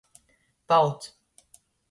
Pauts.